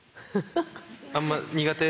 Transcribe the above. あんま苦手？